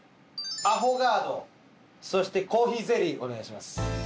アフォガードそして珈琲ゼリーお願いします